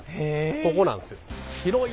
ここなんですよ。